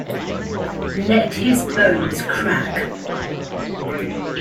Let his bones crack.